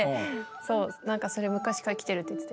そう何かそれ昔から来てるって言ってたよ。